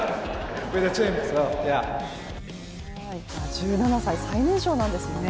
１７歳、最年少なんですよね。